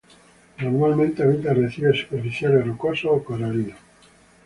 Normalmente habita arrecifes superficiales, rocosos o coralinos.